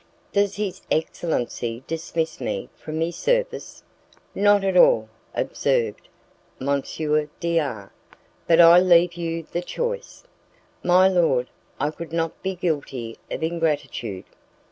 "Does his excellency dismiss me from his service?" "Not at all," observed M. D R , "but I leave you the choice." "My lord, I could not be guilty of ingratitude."